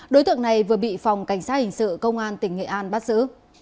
đối tượng này vừa bị phòng cảnh sát hình sự công an tỉnh nghệ an bắt giữ